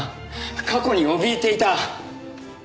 過去におびえていた。